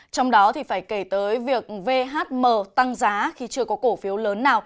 trong đó thì phải kể tới việc vhm tăng giá khi chưa có cổ phiếu lớn nào